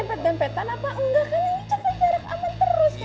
emang dari tadi saya jempet dan petan apa